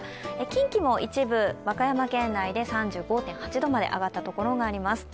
近畿も一部、和歌山県内で３５．８度まで上がったところがあります。